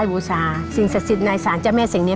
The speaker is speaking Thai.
ก่อนที่จะขอเขา